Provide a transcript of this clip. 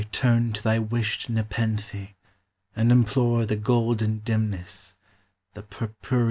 441 Turn to thy wished nepenthe, and implore The golden dimness, the purpurea!